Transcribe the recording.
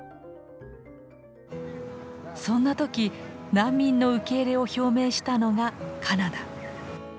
そんな時難民の受け入れを表明したのがカナダ。